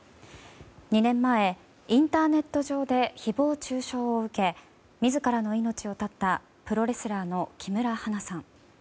２年前、インターネット上で誹謗中傷を受け自らの命を絶ったプロレスラーの木村花さん。